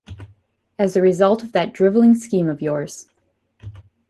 As the result of that drivelling scheme of yours.